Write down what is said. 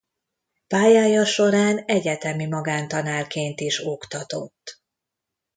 Pályája során egyetemi magántanárként is oktatott.